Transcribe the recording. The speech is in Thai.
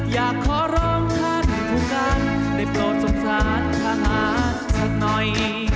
อย่าขอร้องท่านผู้การได้โปรเวทส่งสตราธาฮาธน์สักหน่อย